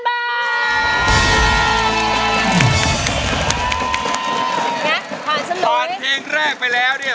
แต่เพียงแรกไปแล้วดิ